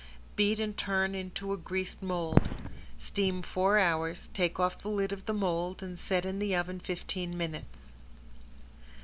Beat and turn into a greased mold. Steam four hours, take off the lid of the mold and set in the oven fifteen minutes.